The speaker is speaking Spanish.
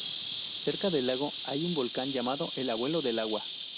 Cerca del lago hay un volcán llamado el Abuelo del Agua.